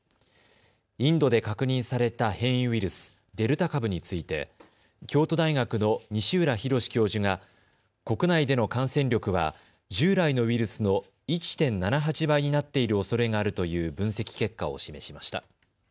インドで確認された変異ウイルス、デルタ株について京都大学の西浦博教授が国内での感染力は従来のウイルスの１．７８倍になっているおそれがあるという分析結果を示しました。